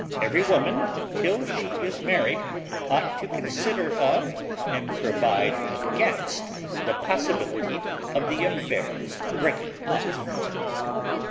Every woman, till she is married, ought to consider of, and provide against, the possibility of the affair's breaking off."